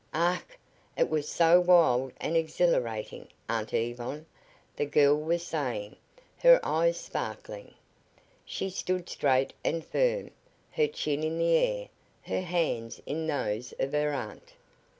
"Ach, it was so wild and exhilarating, Aunt Yvonne," the girl was saying, her eyes sparkling. She stood straight and firm, her chin in the air, her hands in those of her aunt.